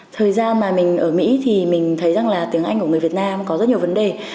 thời gian mà mình ở mỹ thì mình thấy rằng là tiếng anh của người việt nam có rất nhiều vấn đề